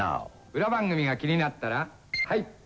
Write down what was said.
裏番組が気になったらはい。